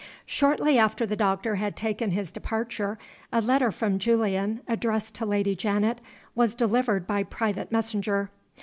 Shortly after the doctor had taken his departure a letter from Julian, addressed to Lady Janet, was delivered by private messenger.